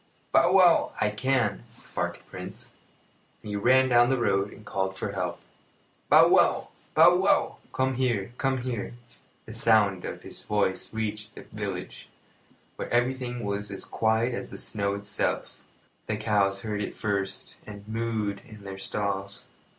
"Bow wow! I can," barked Prince; and he ran down the road and called for help: "Bow wow! Bow wow! Come here! Come here!" The sound of his voice reached the village, where everything was as quiet as the snow itself. The cows heard it first and mooed in their stalls.